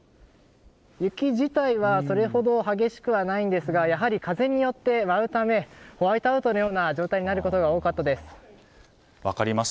雪自体はそれほど激しくはないんですがやはり風によって舞うためホワイトアウトのような分かりました。